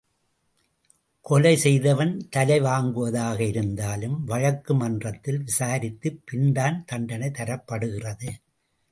கொலை செய்தவன் தலை வாங்குவதாக இருந்தாலும் வழக்கு மன்றத்தில் விசாரித்துப் பின் தான் தண்டனை தரப்படுகிறது.